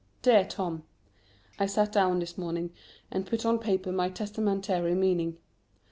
_ DEAR TOM, I sat down this morning and put on paper my testamentary meaning.